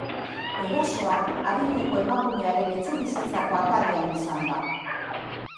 Erasoa adineko emakumearen etxebizitzako atarian izan da.